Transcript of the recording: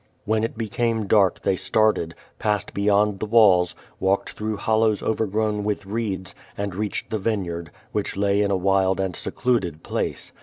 Wlien it became dark they started, passed beyond the walls, walked through hollows overgrown with reeds, and reached the vineyard, which la}' in a wild and secluded jilace.